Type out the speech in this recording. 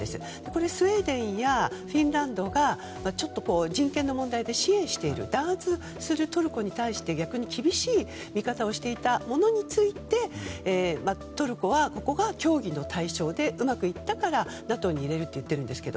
これをスウェーデンやフィンランドが人権の問題で支援している弾圧するトルコに対して逆に厳しい見方をしていたものに対してトルコはここが協議の対象でうまくいったから、ＮＡＴＯに入れると言っているんですね。